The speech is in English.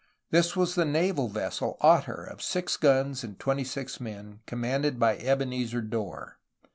This was the naval vessel Ottery of six guns and twenty six men, com manded by Ebenezer Dorr.